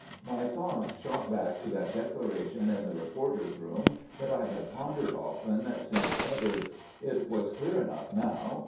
My thoughts shot back to that declaration in the reporters' room that I had pondered often since uttered. It was clear enough now.